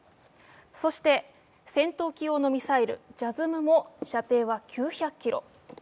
そして戦闘機用のミサイルＪＡＳＳＭも射程は９００ｋｍ。